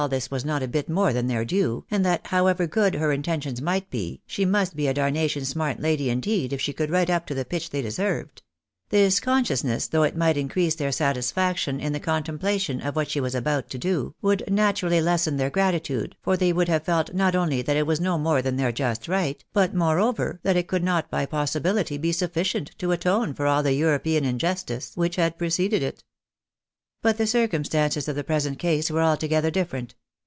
this was not a bit more than their due, and that, however gcx)d her intentions might be, she must be a darnation smart lady indeed, if she could write up to the pitch they deserved : this consciousness, though it might increase their satisfaction in the contemplation of what she was about to do, would naturally lessen their gratitude, for they would have felt not only that it was no more than their just right, but moreover that it could not by possibility be sufficient to atone for all the European injustice which had preceded it. But the circumstances of the present case were altogether different.